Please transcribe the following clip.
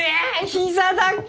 膝だっこ！